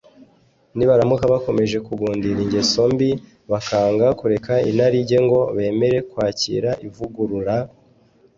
nibaramuka bakomeje kugundira ingeso mbi, bakanga kureka inarijye ngo bemere kwakira ivugurura